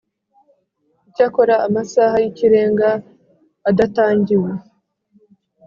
Icyakora amasaha y ikirenga adatangiwe